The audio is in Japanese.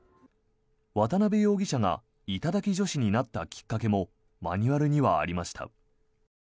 渡邊容疑者が頂き女子になったきっかけもマニュアルにはありました。